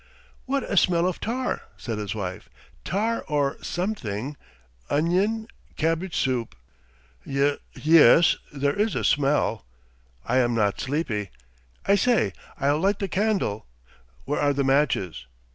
"What a smell of tar," said his wife "tar or something ... onion ... cabbage soup!" "Y yes! There is a smell ... I am not sleepy. I say, I'll light the candle. ... Where are the matches?